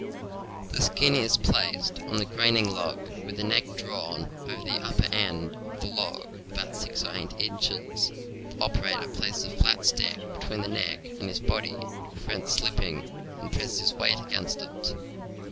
The skin is placed on the graining log with the neck drawn over the upper end of the log about six or eight inches; the operator places a flat stick between the neck and his body, to prevent slipping, and presses his weight against it.